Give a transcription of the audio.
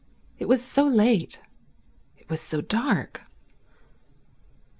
It was so late. It was so dark.